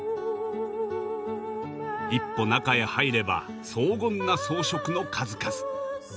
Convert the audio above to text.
一歩中へ入れば荘厳な装飾の数々。